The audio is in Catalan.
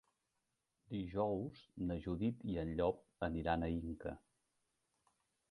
Dijous na Judit i en Llop aniran a Inca.